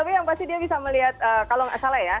tapi yang pasti dia bisa melihat kalau nggak salah ya